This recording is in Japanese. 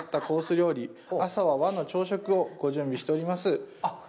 料理、朝は和の朝食をご準備しております。